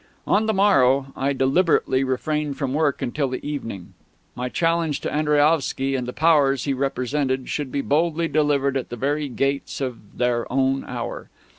On the morrow I deliberately refrained from work until the evening. My challenge to Andriaovsky and the Powers he represented should be boldly delivered at the very gates of their own Hour.